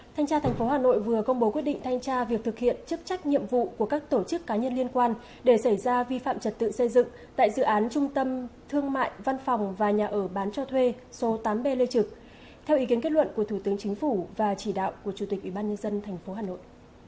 thành tra thành phố hà nội vừa công bố quyết định thanh tra việc thực hiện chức trách nhiệm vụ của các tổ chức cá nhân liên quan để xảy ra vi phạm trật tự xây dựng tại dự án trung tâm thương mại văn phòng và nhà ở bán cho thuê số tám b lê trực theo ý kiến kết luận của thủ tướng chính phủ và chỉ đạo của chủ tịch ủy ban nhân dân thành phố hà nội